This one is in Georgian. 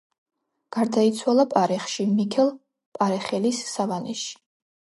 გარდაიცვალა პარეხში, მიქელ პარეხელის სავანეში.